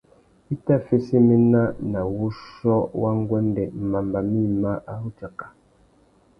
I tà fesséména nà wuchiô wa nguêndê mamba mïma a ru tsaka.